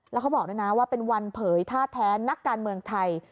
แล้วเขาบอกด้วยนะว่าเป็นวันเผยท่าแท้นักการเมืองไทย